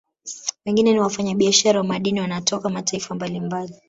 Wengine ni wafanya biashara wa madini wanatoka mataifa mbalimbali